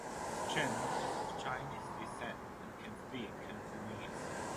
Shen is of Chinese descent and can speak Cantonese.